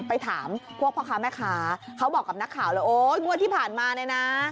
ไปถามพวกพ่อค้าแม่ค้าเขาบอกกับนักข่าวเลยโอ๊ยงวดที่ผ่านมาเนี่ยนะ